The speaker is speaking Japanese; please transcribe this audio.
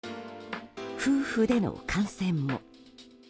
夫婦での感染も。